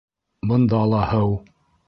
Бында ла һыу!